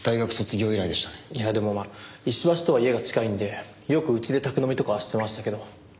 いやでもまあ石橋とは家が近いんでよくうちで宅飲みとかはしてましたけど。